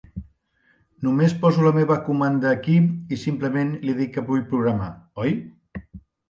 Només poso la meva comanda aquí i simplement li dic que vull programar, oi?